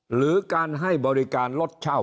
หรือการให้บริการรถเช่า